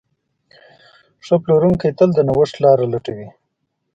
ښه پلورونکی تل د نوښت لاره لټوي.